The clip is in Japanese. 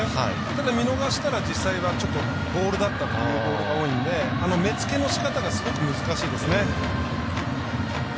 ただ、見逃したら実際はボールだったというボールが多いので目付けのしかたがすごく難しいですね。